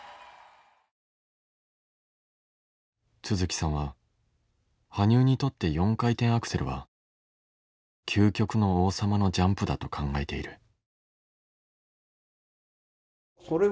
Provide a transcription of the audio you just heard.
都築さんは羽生にとって４回転アクセルは究極の王様のジャンプだと考えている。